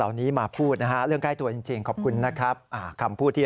เหล่านี้มาพูดเรื่องใกล้ตัวจริงขอบคุณนะครับคำพูดที่